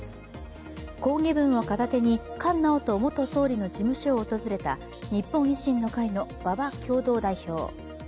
抗議文を片手に菅直人元総理の事務所を訪れた日本維新の会の馬場共同代表。